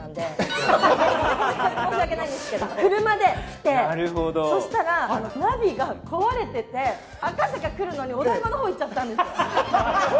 車で来て、そしたらナビが壊れてて赤坂来るのに、お台場のほうに行っちゃったんです。